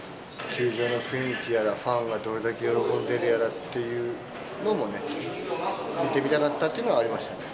球場の雰囲気やら、ファンはどれだけ喜んでるやらっていうのもね、見てみたかったというのはありましたね。